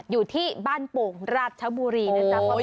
อยู่ที่บ้านโปรงราชบุรีนะครับพ่อเบอร์พี่น้อง